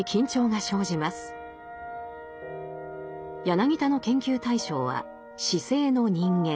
柳田の研究対象は市井の人間。